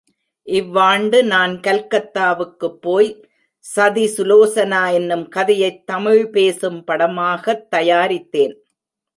இவ்வாண்டு நான் கல்கத்தாவுக்குப் போய் சதிசுலோசனா என்னும் கதையைத் தமிழ் பேசும் படமாகத் தயாரித்தேன்.